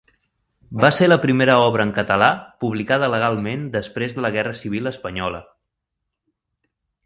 Va ser la primera obra en català publicada legalment després de la Guerra Civil Espanyola.